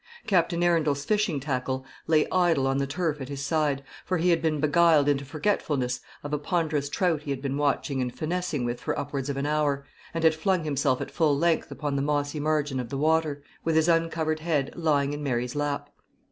Captain Arundel's fishing tackle lay idle on the turf at his side, for he had been beguiled into forgetfulness of a ponderous trout he had been watching and finessing with for upwards of an hour, and had flung himself at full length upon the mossy margin of the water, with his uncovered head lying in Mary's lap.